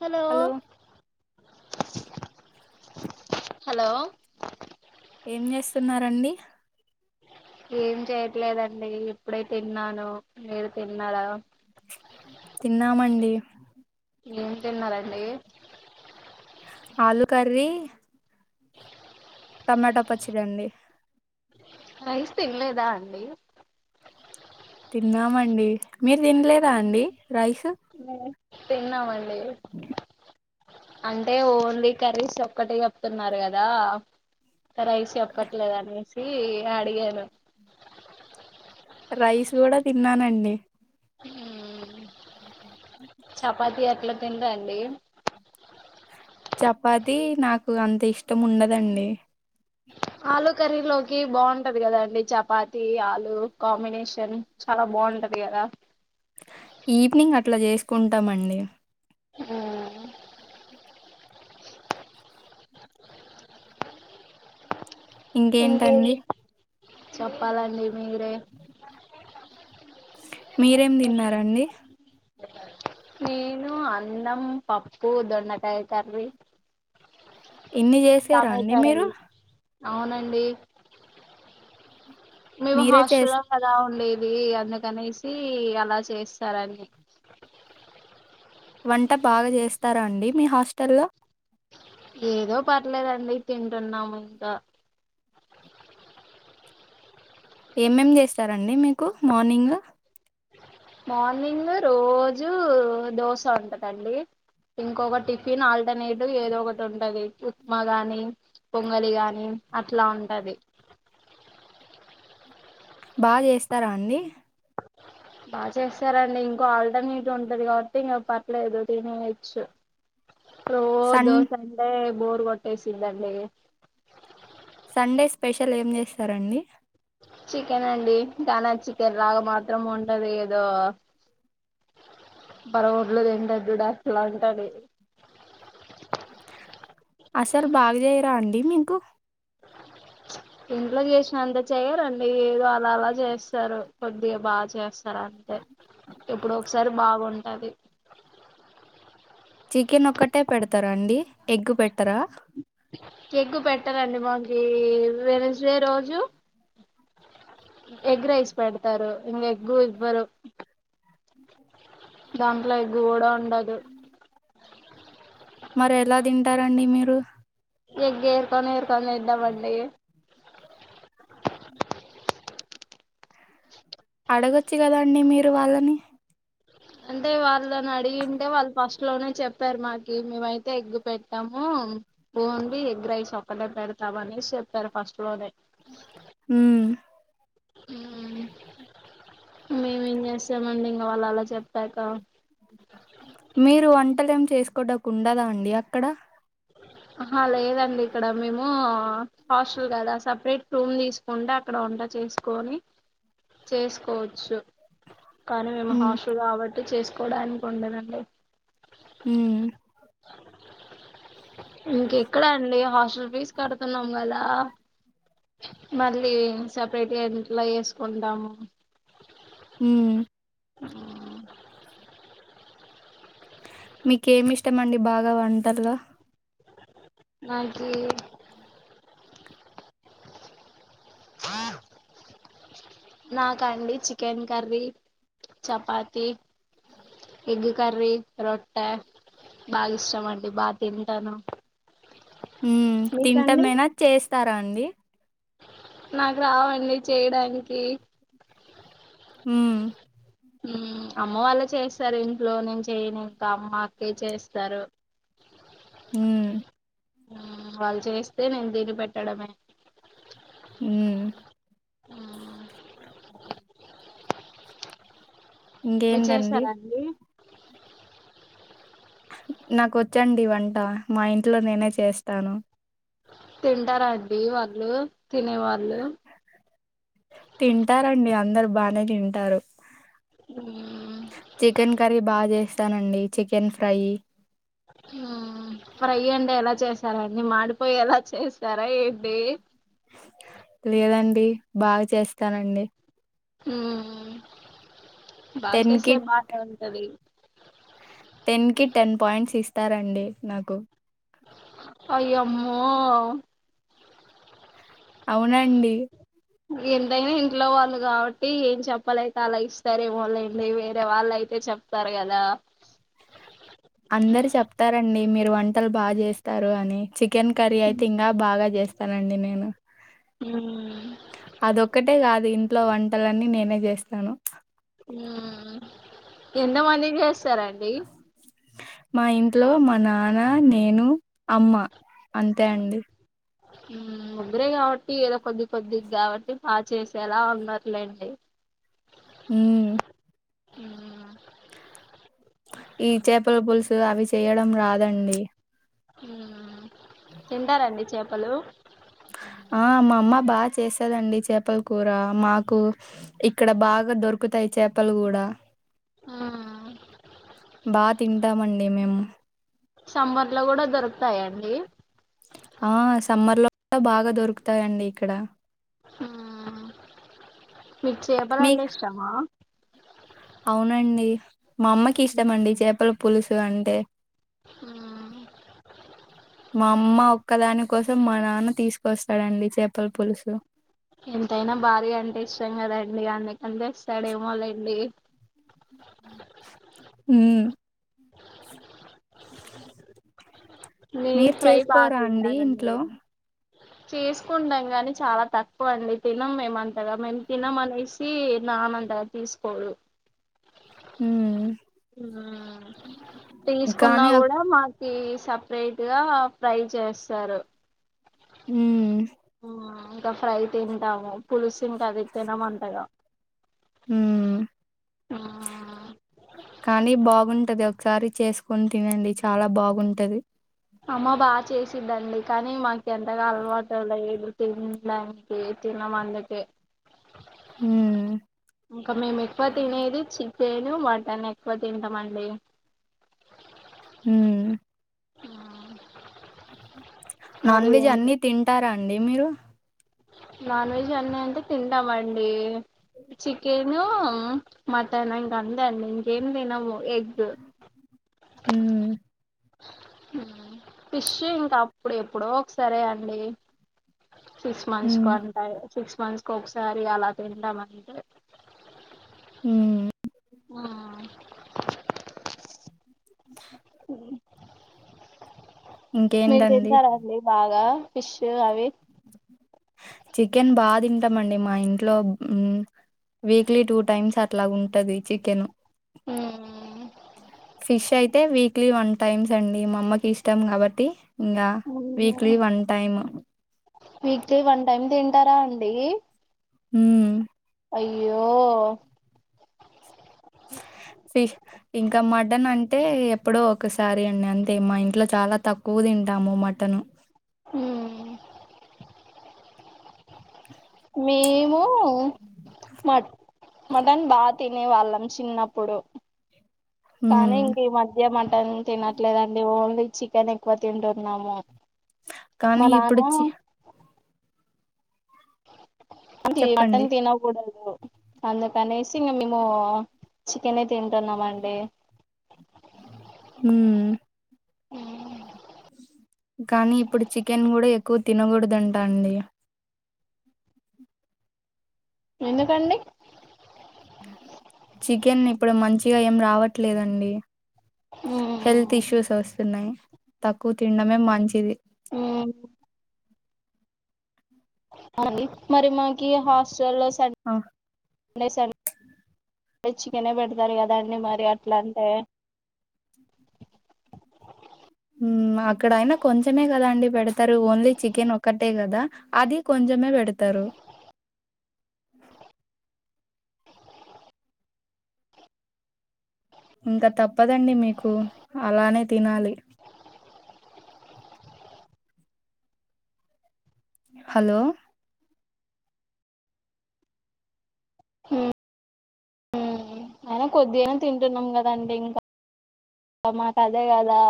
Hello hello ఏం చేస్తున్నారండి ఏం చెయట్లేదండి ఇప్పుడే తిన్నాను మీరు తిన్నారా తిన్నామండి ఏం తిన్నారండి ఆలు కర్రీ టమాటో పచ్చడండి రైస్ తినలేదా అండి తిన్నామండి మీరు తినలేదా అండి రైస్ ఉమ్ తిన్నామండి అంటే ఓన్లీ కర్రీస్ ఒక్కటే చెప్తున్నారు కదా రైస్ చెప్పట్లేదు అనేసి అడిగాను రైస్ కూడా తిన్నానండి ఉమ్ చపాతి అట్లా తినరాండి చపాతి నాకు అంత ఇష్టం ఉండదండి ఆలు కర్రీలోకి బాగుంటది కదాండి చపాతి ఆలు కాంబినేషన్ చాలా బావుంటది కదా ఈవినింగ్ అట్లా చేసుకుంటామండి మ్ ఇంకేవి ఇంకేంటండి చెప్పాలండి మీరే మీరేం తిన్నారండి నేను అన్నం పప్పు దొండకాయ కర్రీ ఇన్ని చేసారా అండి టమాటా మీరు రైస్ అవునండి మేము మీరే చేస్ హాస్టల్లో కదా ఉండేది అందుకనేసి అలా చేస్తారన్ని వంట బాగా చేస్తారా అండి మీ హాస్టల్లో ఏదో పర్లేదండి తింటున్నాము ఇంకా ఏమేం చేస్తారండి మీకు మార్నింగ్ మార్నింగ్ రోజు దోశ ఉంటదండి ఇంకొక టిఫిన్ ఆల్టర్నేటివ్ ఏదో ఒకటి ఉంటది ఉప్మా గాని పొంగలి గాని అట్లా ఉంటది బాగ చేస్తార అండి అ బా చేస్తారండి ఇంకో ఆల్టర్నేటివ్ ఉంటది కాబట్టి ఇంగ పర్లేదు తినేయొచ్చు రోజ్ సన్ దోశ అంటే బోర్ కొట్టేసిందండి సండే స్పెషల్ ఏం చేస్తారండి చికెన్ అండి కానా చికెన్ లాగ మాత్రం ఉండదు ఏదో [unintelligible] అట్ల ఉంటది అసలు బాగా చేయరా అండి మీకు ఇంట్లో చేసినంత చేయారండి ఏదో అలా అలా చేస్తారు కొద్దిగా బా చేస్ స్తరంతే ఏప్పుడో ఒకసారి బాగుంటది చికెన్ ఒక్కటే పెడుతారా అండి ఎగ్గు పెట్టరా ఎగ్ పెట్టరండి మాకి వెనస్ డే రోజు ఎగ్ రైస్ పెడుతారు ఇంగ ఎగ్గు ఇవ్వరు దాంట్లో ఎగ్ గూడ ఉండదు మరి ఎలా తింటారండి మీరు ఎగ్గ ఏరుకొని ఎరుకొని తీంటమండి అడగొచ్చు కదాండి మీరు వాళ్ళని అంటే వాళ్ళని అడిగింటే వాళ్ళు ఫష్ ట్లోనే చెప్పారు మాకి మేమయితే ఎగ్గు పెట్టాము ఓన్లీ ఎగ్ రైస్ ఒక్కటే పెడుతాం అనేసి చెప్పారు ఫస్ట్ లోనే మ్ మ్ మేమేం చేస్తమండి ఇంగ వాళ్ళు అలా చెప్పాక మీరు వంటలు ఏం చేసుకోవడానికి ఉండదా అండి అక్కడ ఆహ లేదండి ఇక్కడ మేము హాస్టల్ కదా సపరేట్ రూమ్ తీస్ కుండా అక్కడ వంట చేసుకొని చేసుకోవచ్చు కానీ మేము ఉమ్ హాస్టల్ కాబట్టి చేసుకోవడానికి ఉండదండి హ్ ఇంకెక్కడ అండి హాస్టల్ ఫీజు కడుతున్నాం కదా మళ్ళీ సపరేట్ గా ఎట్లా చేసుకుంటాము హ్ హ్ మీకు ఏమి ఇష్టం అండి బాగా వంటలుగా నాకి ఆ నాకాండి chicken curry chapati egg curry రొట్ట బాగా ఇష్టం అండి. బాగా తింటాను. ఉ మీకండి తింటమేనా చేస్తారా అండి నాకు రావండి చేయడానికి హ్ అమ్మ వాళ్ళే చేస్తారు. ఇంట్లో నేను చేయను ఇంకా అమ్మ అక్కే చేస్తారు. హ్ వాళ్ళు చేస్తే నేను తిని పెట్టడమే ఉ హ్ మీరు ఇంకేంటండి చేసారా అండి నాకు వచ్చండి వంట మా ఇంట్లో నేనే చేస్తాను తింటారా అండి వాళ్ళు తినే వాళ్ళు తింటారండి అందరు బానే తింటారు. మ్మ్ చికెన్ కర్రీ బాగా చేస్తానండి. చికెన్ ఫ్రై ఫ్రై అండి ఎలా చేసారూ అండి మాడిపోయేలా ఎలా చేస్తారా ఏంటి లేదండి బాగా చేస్తానండి హ్ బాగా టెన్ కి చేసే బాగానే ఉంటది టెన్ కి టెన్ పాయింట్స్ ఇస్తారండి నాకు అయ్యా అమ్మో అవును అండి ఎంతైనా ఇంట్లో వాళ్ళు కాబట్టి ఏం చెప్పాలైతే అలా ఇస్తారే వాోళండి వేరే వాళ్ళ అయితే చెప్ప స్తారు కదా అందరు చెప్తారండి. మీరు వంటలు బాగా చేస్తారు. అని చికెన్ కర్రీ అయితే ఇంకా బాగా చేస్త చెస్తానండి నేను ఉ అదొక్కటే కాదు ఇంట్లో వంటలన్నీ నేనే చేస్తాను ఆ ఎంత మంది కి చేస్తారండి మా ఇంట్లో మా నాన్న నేను అమ్మ అంతే అండి ముగ్గురే కాబట్టి ఏదో కొద్ది కొద్ది కాబట్టి బాగా చేసేలా ఉన్నరూ లేండి హ్ ఈ చేపల పులుసు అవి చేయడం రాదండి తింటారండి చేపలు ఆ మా అమ్మ బాగా చేసేది అండి చేపల కూర మాకు ఇక్కడ బాగా దొరుకుతాయి చేపలు కూడా బా తింటామండి మేము సమ్మర్ లో కూడా దొరుకుతాయండి ఆ సమ్మర్ లో బాగా దొరుకుతాయండి ఇక్కడ మీకు మీ చేపలంటే ఇష్టమా అవునండి మా అమ్మకి ఉమ్. ఇష్టమండి చేపల పులుసు అంటే ఉమ్ మా అమ్మ ఒక్కదాని కోసం మా నాన్న తీసుకొస్తాడండి చేపల పులుసు ఎంతైనా భార్య అంటే ఇష్టం కదండి అందుకనే ఇస్తాడేమోలేండి ఉ నేను మీరు ఫ్రై బాగా చేసుకోరా అండి తింటానండి ఇంట్లో చేసుకుంటాం గాని చాలా తక్కువ అండి తినం మేమంతగా మేము తినం అనేసి నానంతగా తీసుకోడు ఉమ్ కానీ తీసుకున్నాకూడా మా సపరేట్ గా ఫ్రై చేస్తారు ఉమ్ ఇంకా ఫ్రై తింటాము పులుసు ఇంకా అది తినము అంతగా ఉమ్ మ్మ్ కానీ బాగుంటది ఒకసారి చేసుకొని తినండి చాలా బాగుంటది అమ్మ బాగా చేసిందండి కానీ మాకు అంతగా అలవాటు లేదు తినడానికి తినమందుకే ఉమ్ ఇకా మేము ఎక్కువ తినేది చికెను మటన్ ఎక్కువ తింటాంమండి ఉ ఇ నాన్ వెజ్ అన్ని తింటారా అండి మీరు నాన్ వెజ్ అన్ని అంటే తింటామండి చికెను మటన్ ఇంగ అంతే అండి ఇంకేం తినము ఎగ్ ఉమ్ ఫిష్ ఇంకా అప్పుడు ఎప్పుడో ఒకసారే అండి సిక్స్ మంత్స్ హ్మ్ కో సిక్స్ మంత్స్కి ఒకసారి అలా తింటామంతే హ్మ్ ఆ అ అ మీరు ఇంకేంటండి తింటారండి బాగా ఫిష్ అవి చికెన్ బాగా తింటాంమండి మా ఇంట్లో వీక్లీ టూ టైమ్స్ అట్లా ఉంటది చికెన్ ఉ ఫిష్ అయితే వీక్లీ వన్ టైమ్స్ అండి మా అమ్మకి ఇష్టం కాబట్టి ఇంకా weekly one time weekly one time తింటారా అండి ఉమ్ అయ్యో ఫి ఇంకా మటన్ అంటే ఎప్పుడో ఒకసారి అండి అంతే మా ఇంట్లో చాలా తక్కువ తింటాము మటన్ ఊ మేము మట్ మటన్ బాగా తినే వాళ్ళం చిన్నప్పుడు కానీ హ్మ్ ఇం ఈ మధ్య మటన్ తినట్లేదండి ఓన్లీ చికెన్ ఎక్కువ తింటున్నాము కానీ మా ఇప్పుడు నాన్న చి మటన్ చెప్పండి. తినకూడదు అందుకనేసి ఇంగ మేము చికెనే తింటున్నం అండి ఊ ఊ కానీ ఇప్పుడు చికెన్ కూడా ఎక్కువ తినకూడదంటా అండి ఎందుకండి చికెన్ ఇప్పుడు మంచిగా ఏం రావట్లేదండి హెల్త్ ఇష్యూస్ వస్తున్నాయి తక్కువ తినడమే మంచిది ఊ అది మరి మాకిగ హాస్టల్ లో సట్ ఆ డే సన్ చికెనే పెడతారు కదండి మరి అట్లా అంటే ఊ అక్కడయినా కొంచమే కదాండి పెడతారు ఓన్లీ చికెన్ ఒక్కటే కదా అది కొంచమే పెడతారు ఇంకా తప్పదండి మీకు అలానే తినాలి హలో అయినా కొద్దిగనే తింటున్నాం కదండి ఇంకా మాకు అదే కదా